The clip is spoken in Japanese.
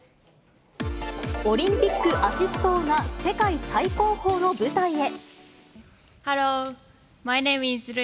オリンピックアシスト王が世界最高峰の舞台へ。